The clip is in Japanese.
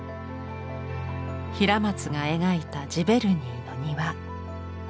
平松が描いたジヴェルニーの庭。